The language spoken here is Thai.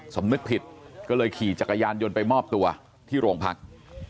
สำนึกผิดก็เลยขี่จักรยานยนต์ไปมอบตัวที่โรงพัก